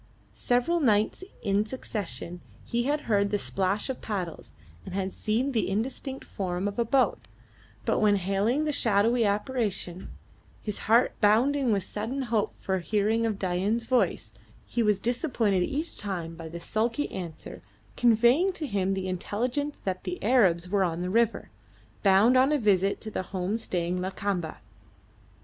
Several nights in succession he had heard the splash of paddles and had seen the indistinct form of a boat, but when hailing the shadowy apparition, his heart bounding with sudden hope of hearing Dain's voice, he was disappointed each time by the sulky answer conveying to him the intelligence that the Arabs were on the river, bound on a visit to the home staying Lakamba.